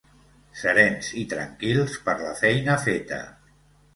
Serens i tranquils per la feina feta.